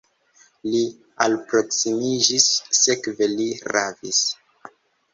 Li alproksimiĝis, sekve li ravis.